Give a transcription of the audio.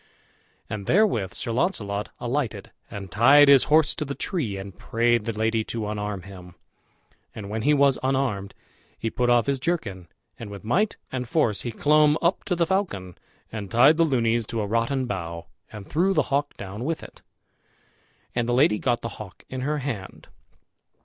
And therewith Sir Launcelot alighted and tied his horse to the tree, and prayed the lady to unarm him. And when he was unarmed, he put off his jerkin, and with might and force he clomb up to the falcon, and tied the lunys to a rotten bough, and threw the hawk down with it; and the lady got the hawk in her hand.